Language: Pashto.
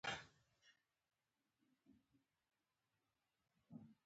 قدر مند منشي پۀ دېوان کښې